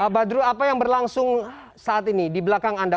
badru apa yang berlangsung saat ini di belakang anda